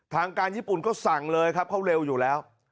ทางการญี่ปุ่นก็สั่งเลยครับเขาเร็วอยู่แล้ว